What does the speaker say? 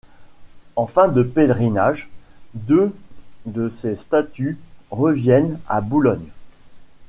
En fin de pèlerinage, deux de ces statues reviennent à Boulogne.